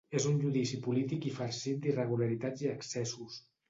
És un judici polític i farcit d’irregularitats i excessos.